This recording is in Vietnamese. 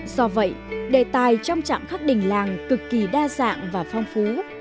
do vậy đề tài trong trạm khắc đình làng cực kỳ đa dạng và phong phú